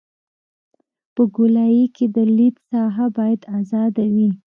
په ګولایي کې د لید ساحه باید ازاده وي